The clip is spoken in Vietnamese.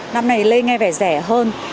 năm này lê nghe vẻ rẻ hơn